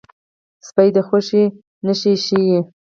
سپي د خوښۍ نښې ښيي.